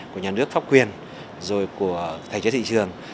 của nhà nước pháp quyền rồi của thể chế thị trường